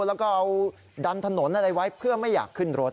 แล้วก็เอาดันถนนอะไรไว้เพื่อไม่อยากขึ้นรถ